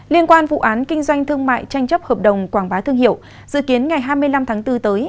liên quan vụ án kinh doanh thương mại tranh chấp hợp đồng quảng bá thương hiệu dự kiến ngày hai mươi năm tháng bốn tới